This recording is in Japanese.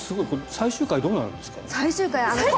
最終回どうなるんですか。